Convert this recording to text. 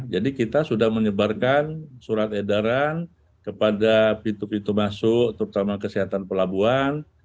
jadi kita sudah menyebarkan surat edaran kepada pintu pintu masuk terutama kesehatan pelabuhan